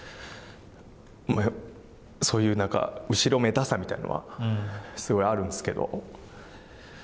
そういうなんか後ろめたさみたいなのはすごいあるんですけど。